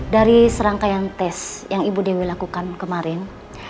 dari serangkaian tes yang ibu dewi lakukan kemarin